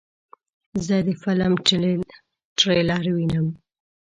زه د فلم ټریلر وینم.